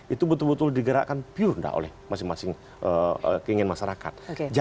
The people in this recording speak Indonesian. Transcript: itu betul betul digerakkan purenda oleh masing masing keinginan masyarakat